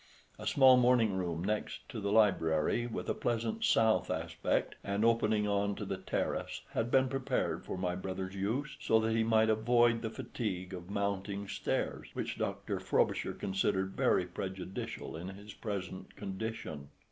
A small morning room next to the library, with a pleasant south aspect and opening on to the terrace, had been prepared for my brother's use, so that he might avoid the fatigue of mounting stairs, which Dr. Frobisher considered very prejudicial in his present condition.